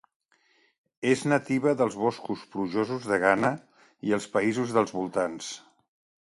És nativa dels boscos plujosos de Ghana i els països dels voltants.